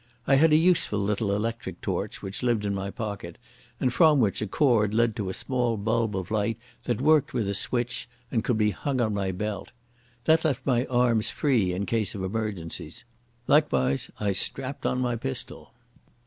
I had a useful little electric torch, which lived in my pocket, and from which a cord led to a small bulb of light that worked with a switch and could be hung on my belt. That left my arms free in case of emergencies. Likewise I strapped on my pistol.